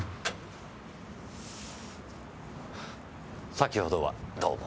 先ほどはどうも。